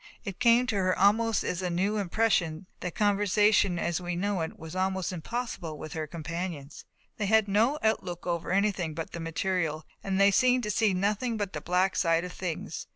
It came to her almost as a new impression that conversation as we know it was almost impossible with her companions. They had no outlook over anything but the material and they seemed to see nothing but the black side of things.